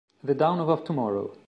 The Dawn of a Tomorrow